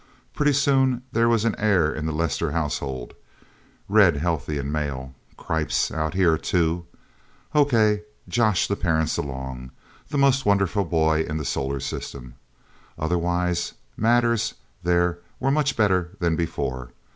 Pretty soon there was an heir in the Lester household. Red, healthy, and male. Cripes Out Here, too? Okay josh the parents along. The most wonderful boy in the solar system! Otherwise, matters, there, were much better than before.